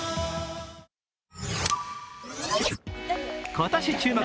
今年注目